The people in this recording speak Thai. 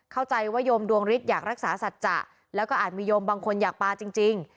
เข้าใจว่าโยมดวงฤทธิ์อยากรักษาสัจจะแล้วก็อาจมีโยมบางคนอยากปลาจริง